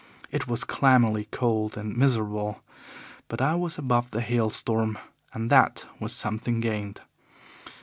It was clammily cold and miserable. But I was above the hail storm, and that was something gained.